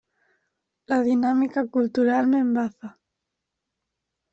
La dinàmica cultural m'embafa.